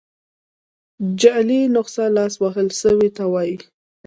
جعلي نسخه لاس وهل سوي ته وايي.